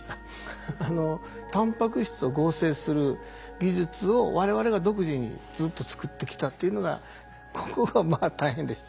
タンパク質を合成する技術を我々が独自にずっと作ってきたっていうのがここがまあ大変でした。